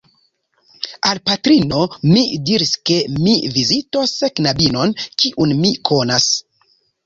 Al patrino mi diris, ke mi vizitos knabinon, kiun mi konas.